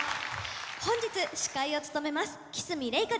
本日司会を務めます木須実怜